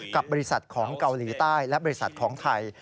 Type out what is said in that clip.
กับบริษัทของเกาหลีใต้และบริษัทของไทย